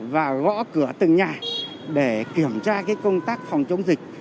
và gõ cửa từng nhà để kiểm tra công tác phòng chống dịch